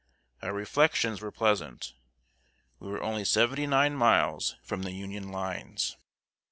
Our reflections were pleasant. We were only seventy nine miles from the Union lines.